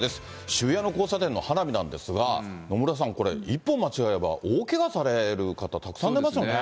渋谷の交差点の花火なんですが、野村さん、これ、一歩間違えれば大けがされる方、たくさん出ますよね。